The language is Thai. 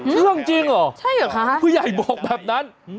เชื่องจริงเหรอใช่เหรอคะผู้ใหญ่บอกแบบนั้น